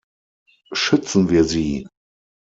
Schützen wir sie!